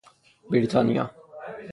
بریتانیا